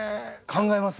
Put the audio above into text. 考えます？